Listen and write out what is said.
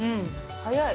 早い。